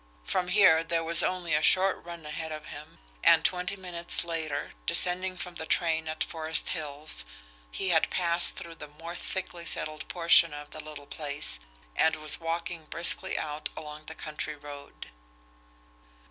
From here, there was only a short run ahead of him, and, twenty minutes later, descending from the train at Forest Hills, he had passed through the more thickly settled portion of the little place, and was walking briskly out along the country road.